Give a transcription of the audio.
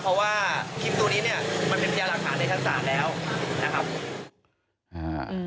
เพราะว่าคลิปตัวนี้มันเป็นสัญญาหลักฐานในฟังใต้ชั้นศาลแล้ว